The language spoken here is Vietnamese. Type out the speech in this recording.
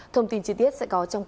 thông tin chi tiết sẽ có trong cụm